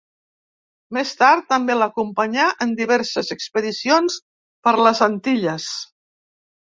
Més tard, també l'acompanyà en diverses expedicions per les Antilles.